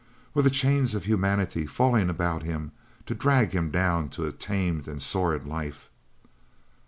Were the chains of humanity falling about him to drag him down to a tamed and sordid life?